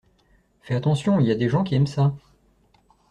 Fais attention, y a des gens qui aiment ça.